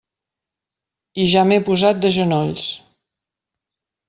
I ja m'he posat de genolls.